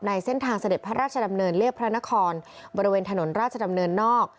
เส้นทางเสด็จพระราชดำเนินเรียบพระนครบริเวณถนนราชดำเนินนอก